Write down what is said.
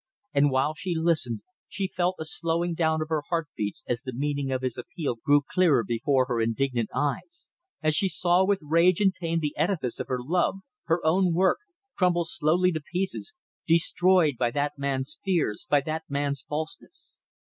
And while she listened she felt a slowing down of her heart beats as the meaning of his appeal grew clearer before her indignant eyes, as she saw with rage and pain the edifice of her love, her own work, crumble slowly to pieces, destroyed by that man's fears, by that man's falseness.